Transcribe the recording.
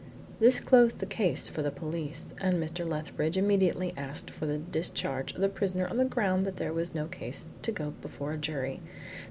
This closed the case for the police, and Mr. Lethbridge immediately asked for the discharge of the prisoner on the ground that there was no case to go before a jury.